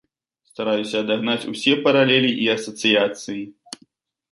Стараюся адагнаць усе паралелі і асацыяцыі.